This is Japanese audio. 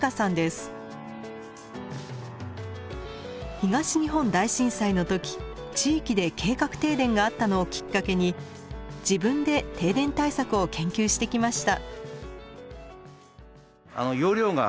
東日本大震災の時地域で計画停電があったのをきっかけに自分で停電対策を研究してきました。